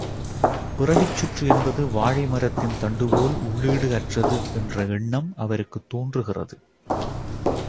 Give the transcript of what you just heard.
பிறவிச் சுற்று என்பது வாழை மரத்தின் தண்டுபோல் உள்ளீடு அற்றது என்ற எண்ணம் அவருக்குத் தோன்றுகிறது.